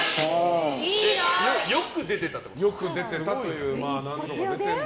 よく出てたってことか。